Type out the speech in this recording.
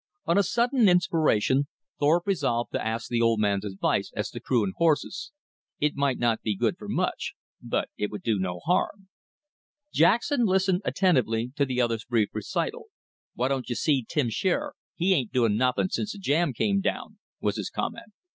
On a sudden inspiration Thorpe resolved to ask the old man's advice as to crew and horses. It might not be good for much, but it would do no harm. Jackson listened attentively to the other's brief recital. "Why don't you see Tim Shearer? He ain't doin' nothin' since the jam came down," was his comment.